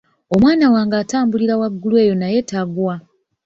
Omwana wange atambulira waggulu eyo naye tagwa.